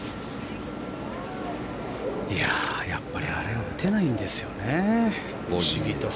やっぱりあれは打てないんですよね、不思議と。